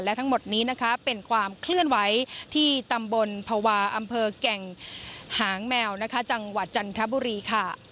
และทั้งหมดนี้นะคะเป็นความเคลื่อนไหวที่ตำบลภาวะอำเภอแก่งหางแมวนะคะจังหวัดจันทบุรีค่ะ